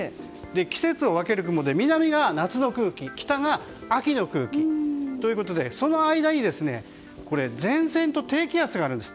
季節を分ける雲で南が夏の空気北が秋の空気ということでその間に前線と低気圧があるんです。